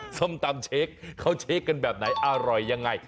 ส้มตำเช็คเขาเช็คกันแบบไหนอร่อยยังไง